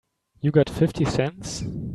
You got fifty cents?